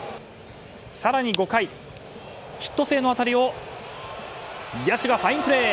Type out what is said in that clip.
更に５回、ヒット性の当たりを野手がファインプレー！